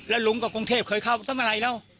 แล้วลุงกับกรุงเทพเคยเข้าทำอะไรแล้ว